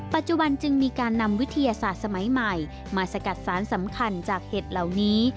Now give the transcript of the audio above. ปัจจุบันจึงมีการนำวิทยาศาสตร์สมัยใหม่มาสกัดสารสำคัญจากเห็ดเหล่านี้